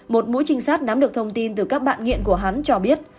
một mũi trinh sát nắm được thông tin từ các bạn nghiện của hắn cho biết